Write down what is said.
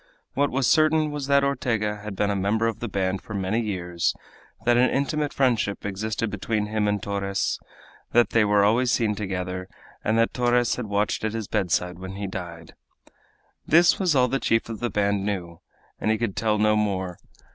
What was certain was that Ortega had been a member of the band for many years, that an intimate friendship existed between him and Torres, that they were always seen together, and that Torres had watched at his bedside when he died. This was all the chief of the band knew, and he could tell no more.